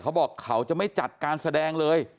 เขาบอกเขาจะไม่จัดการแสดงเลย